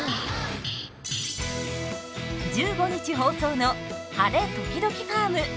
１５日放送の「晴れ、ときどきファーム！」。